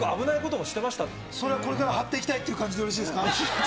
それはこれから張っていきたいという感じでよろしいですか？